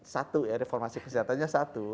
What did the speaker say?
satu ya reformasi kesehatannya satu